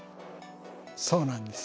そうなんです。